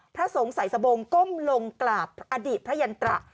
พระสงฆ์ใส่สบงก้มลงกราบอดีตพระยันตระ